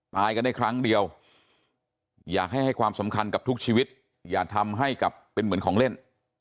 ตายกันได้ครั้งเดียวอยากให้ให้ความสำคัญกับทุกชีวิตอย่าทำให้กับเป็นเหมือนของเล่น